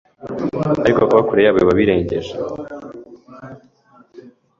ariko ku baba kure yabo byo biba birengeje